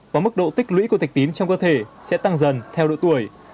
và mức độ tích lũy của thạch tín trong cơ thể sẽ tăng dần theo độ tuổi